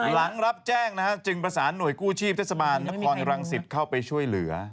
หลังรับแจ้งนะฮะจึงประสานหน่วยกู้ชีพเทศบาลนครรังสิตเข้าไปช่วยเหลือ